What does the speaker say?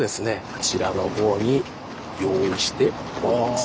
あちらのほうに用意しております。